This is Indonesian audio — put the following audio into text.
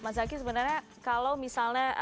mas zaky sebenarnya kalau misalnya